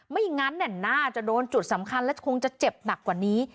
ไม่งั้นน่าจะโดนจุดสำคัญและคงจะเจ็บหนักกว่านี้